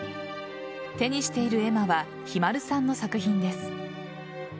手にしている絵馬はひまるさんの作品です。